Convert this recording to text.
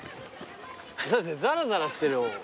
だってザラザラしてるもん。